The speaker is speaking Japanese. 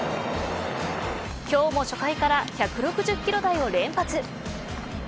今日も初回から１６０キロ台を連発。